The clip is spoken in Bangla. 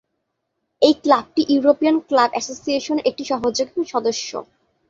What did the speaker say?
এই ক্লাবটি ইউরোপীয়ান ক্লাব অ্যাসোসিয়েশনের একটি সহযোগী সদস্য।